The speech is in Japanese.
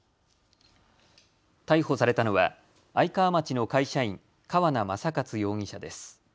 逮捕されたのは愛川町の会社員、川名正克容疑者です。